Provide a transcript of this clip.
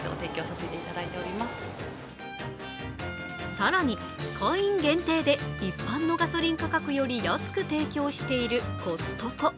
更に会員限定で一般のガソリン価格より安く提供しているコストコ。